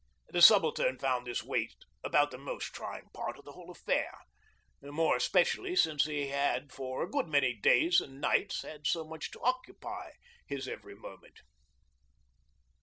The Subaltern found this wait about the most trying part of the whole affair, more especially since he had for a good many days and nights had so much to occupy his every moment.